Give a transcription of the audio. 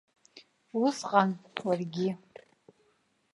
Усҟан уаргьы.